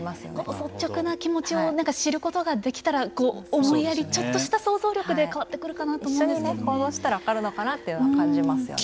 率直な気持ちを知ることができたら思いやりちょっとした想像力で一緒に行動したら分かるのかなというのは感じますよね。